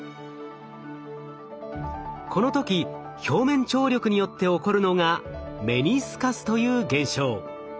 この時表面張力によって起こるのがメニスカスという現象。